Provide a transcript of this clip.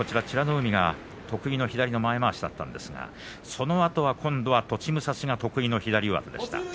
海が得意の左の前まわしだったんですがそのあとは栃武蔵が得意の左上手でした。